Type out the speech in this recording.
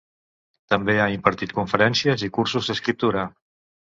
També ha impartit conferències i cursos d'escriptura.